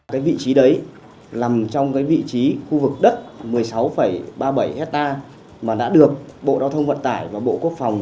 cái vị trí đấy nằm trong cái vị trí khu vực đất một mươi sáu ba mươi bảy hectare mà đã được bộ giao thông vận tải và bộ quốc phòng